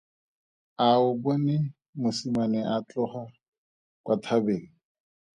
A o bone mosimane a tloga kwa thabeng?